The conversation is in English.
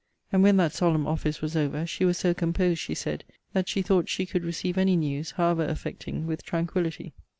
And when that solemn office was over, she was so composed, she said, that she thought she could receive any news, however affecting, with tranquillity.